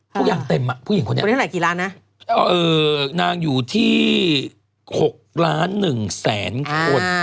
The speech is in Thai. ทุกอย่างเต็มอะผู้หญิงคนนี้นางอยู่ที่๖ล้าน๑แสนคน